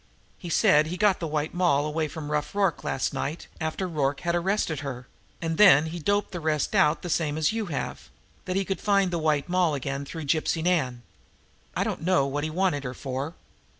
He said he got the White Moll away from Rough Rorke last night, after Rorke had arrested her; and then he doped the rest out the same as you have that he could find the White Moll again through Gypsy Nan. I don't know what he wanted her for."